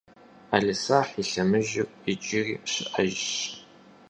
Ӏэлисахь и лъэмыжыр иджыри щыӏэжщ.